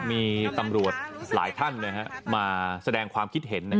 มีตำรวจหลายท่านมาแสดงความคิดเห็น